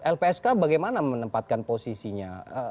lpsk bagaimana menempatkan posisinya